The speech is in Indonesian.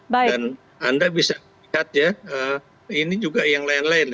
dan anda bisa lihat ya ini juga yang lain lain